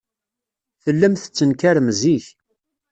Tellam tettenkarem zik.